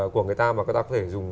của người ta mà người ta có thể dùng